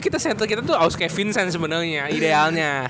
kita center kita tuh harus kayak vincent sebenernya idealnya